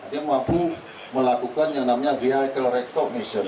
dia mampu melakukan yang namanya vehicle recognition